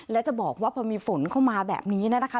และจะบอกว่าพอมีฝนเข้ามาแบบนี้นะคะ